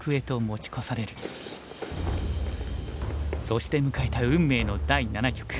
そして迎えた運命の第七局。